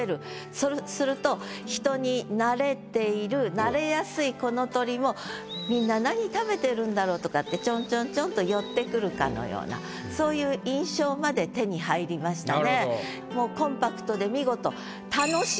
そうすると人に慣れている慣れやすいこの鳥もみんな何食べてるんだろう？とかってチョンチョンチョンと寄ってくるかのようなそういう印象まで手に入りましたね。